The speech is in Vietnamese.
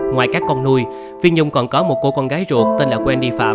ngoài các con nuôi phi nhung còn có một cô con gái ruột tên là wendy pham